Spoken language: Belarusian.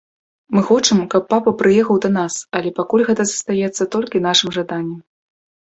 Мы хочам, каб папа прыехаў да нас, але пакуль гэта застаецца толькі нашым жаданнем.